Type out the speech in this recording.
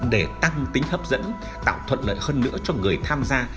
để tăng tính hấp dẫn tạo thuận lợi hơn nữa cho người tham gia